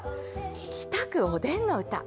北区おでんのうた。